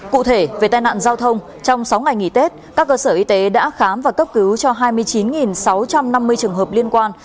cụ thể về tai nạn giao thông trong sáu ngày nghỉ tết các cơ sở y tế đã khám và cấp cứu cho hai mươi chín sáu trăm năm mươi trường hợp liên quan